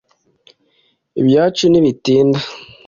Ibyacu ntibitinda